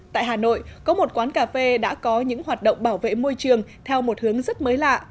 tại hà nội có một quán cà phê đã có những hoạt động bảo vệ môi trường theo một hướng rất mới lạ